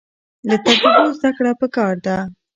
له تجربو زده کړه پکار ده